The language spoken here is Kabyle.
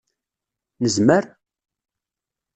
Nezmer!